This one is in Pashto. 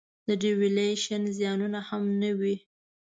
د devaluation زیانونه هم نه وي.